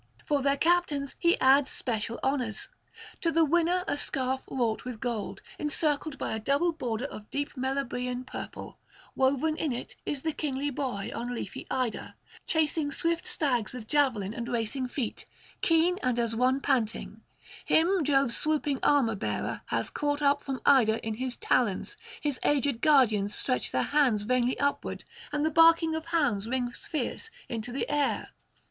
For their captains he adds special honours; to the winner a scarf wrought with gold, encircled by a double border of deep Meliboean purple; woven in it is the kingly boy on leafy Ida, chasing swift stags with javelin and racing feet, keen and as one panting; him Jove's swooping armour bearer hath caught up from Ida in his talons; his aged guardians stretch their hands vainly upwards, and the barking of hounds rings fierce into the air.